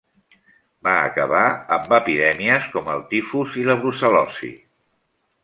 Va acabar amb epidèmies com el tifus i la brucel·losi.